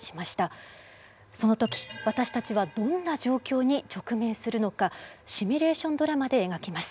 その時私たちはどんな状況に直面するのかシミュレーションドラマで描きます。